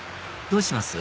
どうします？